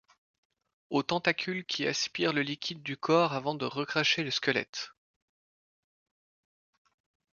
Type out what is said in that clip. Aux tentacules qui aspire le liquide du corps avant de recracher le squelette.